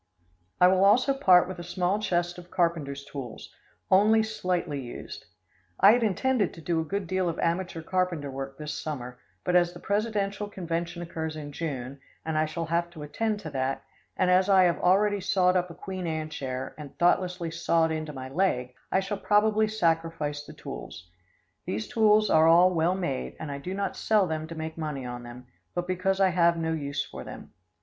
I will also part with a small chest of carpenter's tools, only slightly used. I had intended to do a good deal of amateur carpenter work this summer, but, as the presidential convention occurs in June, and I shall have to attend to that, and as I have already sawed up a Queen Anne chair, and thoughtlessly sawed into my leg, I shall probably sacrifice the tools. These tools are all well made, and I do not sell them to make money on them, but because I have no use for them.